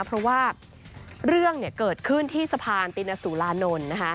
เพราะว่าเรื่องเนี่ยเกิดขึ้นที่สะพานตินสุรานนท์นะคะ